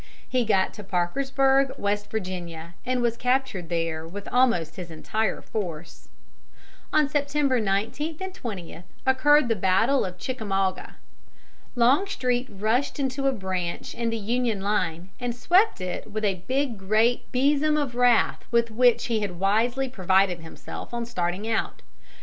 He got to Parkersburg, West Virginia, and was captured there with almost his entire force. On September 19 and 20 occurred the battle of Chickamauga. Longstreet rushed into a breach in the Union line and swept it with a great big besom of wrath with which he had wisely provided himself on starting out.